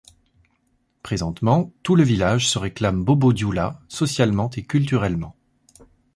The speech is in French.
Présentement tout le village se réclame Bobo-dioula socialement et culturellement.